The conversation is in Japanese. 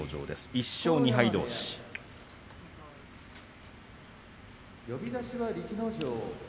１勝２敗どうし。